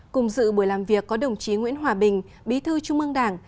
cùng dự buổi làm việc có đồng chí nguyễn hòa bình bí thư trung ương đảng